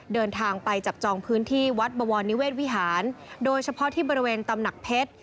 เดินทางไปจับจองพื้นที่วัดบวรนิเวศวิหารโดยเฉพาะที่บริเวณตำหนักเพชร